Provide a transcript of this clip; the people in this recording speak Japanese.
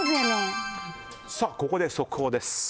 ここで速報です。